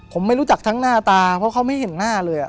ผมไม่รู้จักทั้งหน้าตาเพราะเขาไม่เห็นหน้าเลย